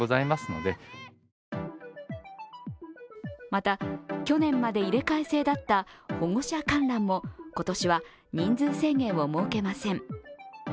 また、去年まで入れ替え制だった保護者観覧も今年は人数制限を設けません。